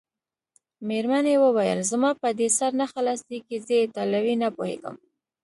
مېرمنې وویل: زما په دې سر نه خلاصیږي، زه ایټالوي نه پوهېږم.